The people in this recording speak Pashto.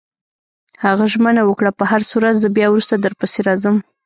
هغه ژمنه وکړه: په هرصورت، زه بیا وروسته درپسې راځم.